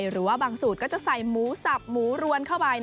หรือว่าบางสูตรก็จะใส่หมูสับหมูรวนเข้าไป